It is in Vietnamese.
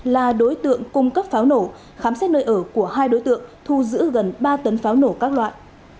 là đối tượng cung cấp pháo nổ khám xét nơi ở của hai đối tượng thu giữ gần ba tấn pháo nổ các loại